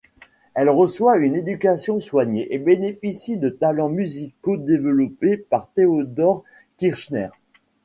Elle reçoit une éducation soignée et bénéficie de talents musicaux développés par Theodor Kirchner.